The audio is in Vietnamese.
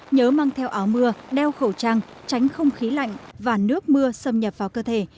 nhớ mang theo áo mưa đeo khẩu trang tránh không khí lạnh và nước mưa xâm nhập vào cơ thể